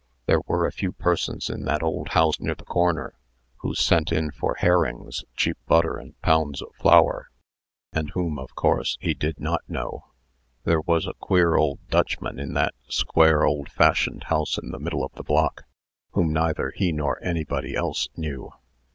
There were a few persons in that old house near the corner, who sent in for herrings, cheap butter, and pounds of flour, and whom, of course, he did not know. There was a queer old Dutchman in that square, old fashioned house in the middle of the block, whom neither he nor anybody else knew.